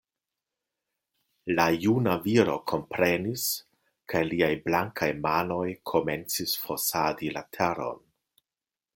La juna viro komprenis; kaj liaj blankaj manoj komencis fosadi la teron.